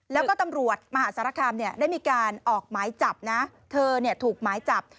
แล้วก็ตำรวจมหาสารคามได้มีการออกหมายจับนะเธอถูกหมายจับ